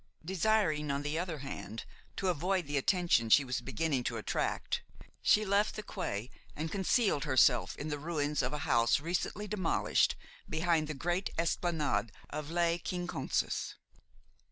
Desiring, on the other hand, to avoid the attention she was beginning to attract, she left the quay and concealed herself in the ruins of a house recently demolished behind the great esplanade of Les Quinconces.